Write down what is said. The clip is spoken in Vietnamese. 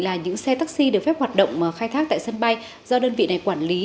là những xe taxi được phép hoạt động khai thác tại sân bay do đơn vị này quản lý